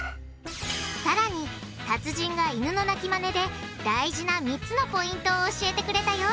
さらに達人がイヌの鳴きマネで大事な３つのポイントを教えてくれたよ